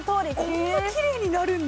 こんなきれいになるんだ。